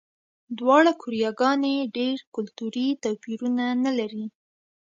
دواړه کوریاګانې ډېر کلتوري توپیرونه نه لري.